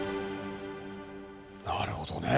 なるほどね。